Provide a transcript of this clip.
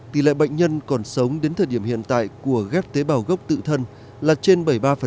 tỷ lệ bệnh nhân còn sống đến thời điểm hiện tại của ghép tế bào gốc tự thân là trên bảy mươi ba